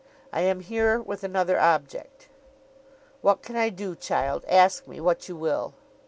I am here with another object.' 'What can I do, child? Ask me what you will.